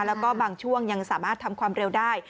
แล้วก็บางช่วงยังสามารถทำความเร็วได้